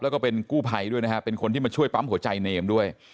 แล้วก็เป็นกู้ภัยด้วยนะฮะเป็นคนที่มาช่วยปั๊มหัวใจเนมด้วย